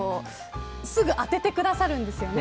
すぐ当ててくださるんですよね